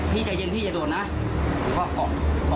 พี่มีไงอยู่ข้างล่าง